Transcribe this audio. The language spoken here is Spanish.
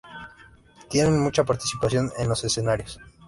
Tienen mucha participación en los escenarios.